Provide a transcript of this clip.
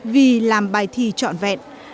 vì làm bài thi trọn vẹn